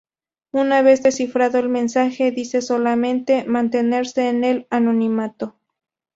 Una vez descifrado el mensaje, dice solamente: "Mantenerse en el anonimato".